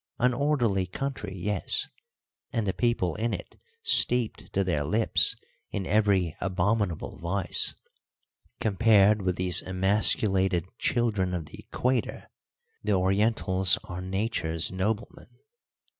An orderly country, yes, and the people in it steeped to their lips in every abominable vice! Compared with these emasculated children of the equator, the Orientals are Nature's noblemen.